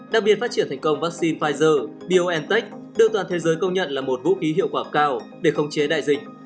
đặc biệt phát triển thành công vaccine pfizer biontech được toàn thế giới công nhận là một vũ khí hiệu quả cao để khống chế đại dịch